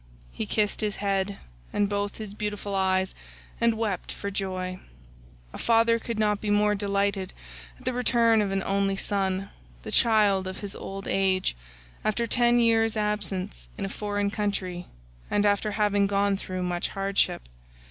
He kissed his head and both his beautiful eyes, and wept for joy. A father could not be more delighted at the return of an only son, the child of his old age, after ten years' absence in a foreign country and after having gone through much hardship.